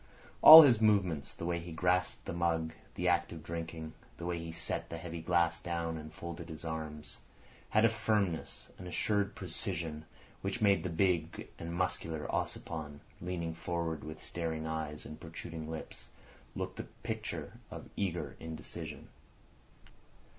All his movements—the way he grasped the mug, the act of drinking, the way he set the heavy glass down and folded his arms—had a firmness, an assured precision which made the big and muscular Ossipon, leaning forward with staring eyes and protruding lips, look the picture of eager indecision.